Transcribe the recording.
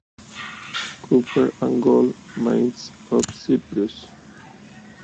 Copper and Gold Mines of Cyprus.